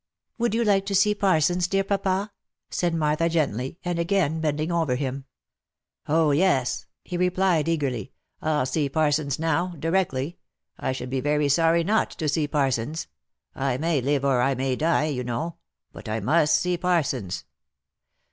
" Would you like to see Parsons, dear papa?" said Martha, gently, and again bending over him. " Oh, yes !" he replied eagerly ;" I'll see Parsons now, directly — I should be very sorry not to see Parsons. I may live, or I may die, you know ; but I must see Parsons.